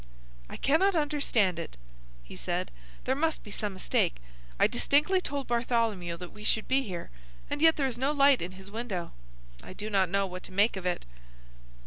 "I cannot understand it," he said. "There must be some mistake. I distinctly told Bartholomew that we should be here, and yet there is no light in his window. I do not know what to make of it."